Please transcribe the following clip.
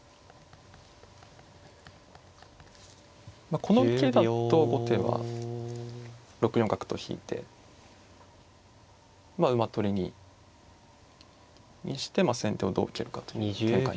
まあこの受けだと後手は６四角と引いてまあ馬取りにして先手をどう受けるかという展開。